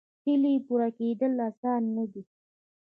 هیلې پوره کېدل اسانه نه دي.